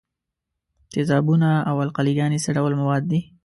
تیزابونه او القلې ګانې څه ډول مواد دي؟